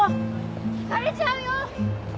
ひかれちゃうよ！